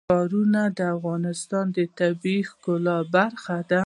ښارونه د افغانستان د طبیعت د ښکلا برخه ده.